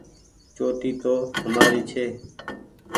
چوٽي تو همآري ڇي ۔